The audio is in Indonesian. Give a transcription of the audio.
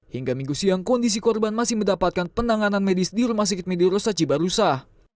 hingga minggu siang kondisi korban masih mendapatkan penanganan medis di rumah sakit mediurosa cibarusah